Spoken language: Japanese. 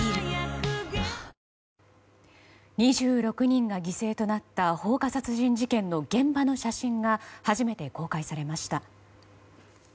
２６人が犠牲となった放火殺人事件の現場の写真が初めて公開されました。